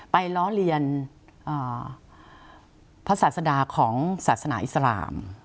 ล้อเลียนพระศาสดาของศาสนาอิสลาม